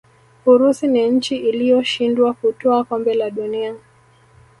urusi ni nchi iliyoshindwa kutwaa kombe la dunia